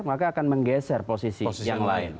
maka akan menggeser posisi yang lain